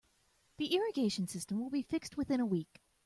The irrigation system will be fixed within a week.